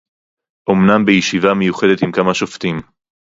אומנם בישיבה מיוחדת עם כמה שופטים